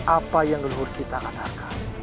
apa yang leluhur kita akan harga